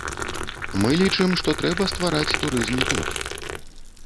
Мы лічым, што трэба ствараць турызм тут.